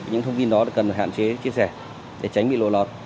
những thông tin đó cần phải hạn chế chia sẻ để tránh bị lộ lọt